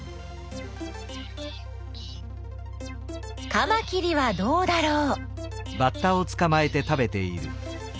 カマキリはどうだろう？